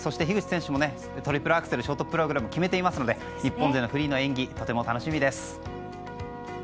樋口選手もトリプルアクセルをショートプログラムで決めていますので日本勢のフリーの演技楽しみです。